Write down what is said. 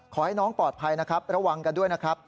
ขอให้น้องปลอดภัยนะครับระวังกันด้วยนะครับ